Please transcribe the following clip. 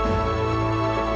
aku harus ke belakang